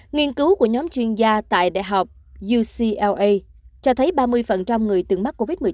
nghiên cứu của nhóm chuyên gia tại đại học ucr cho thấy ba mươi người từng mắc covid một mươi chín